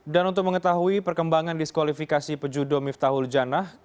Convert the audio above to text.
dan untuk mengetahui perkembangan diskualifikasi pejudo miftahul janah